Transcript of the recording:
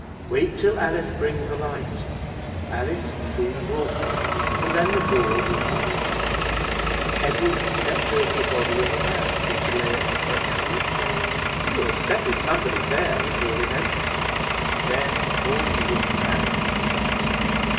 Wait till Alice brings a light," Alice soon brought one, and then the door was unfastened. Edward stepped over the body of a man which lay at the threshold, saying "You have settled somebody there, at all events," and then caught Edith and Alice in his arms.